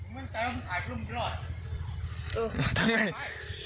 มึงมั่นใจว่าคุณถ่ายกับมึงไม่รอด